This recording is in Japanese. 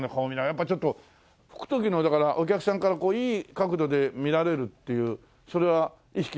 やっぱちょっと吹く時のだからお客さんからいい角度で見られるっていうそれは意識してるの？